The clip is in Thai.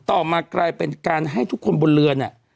ต่อมากลายเป็นการให้ทุกคนบนเรือเนี่ย